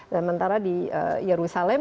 dan mentara di yerusalem